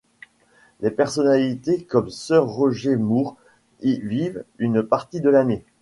Des personnalités comme Sir Roger Moore y vivent une partie de l'année.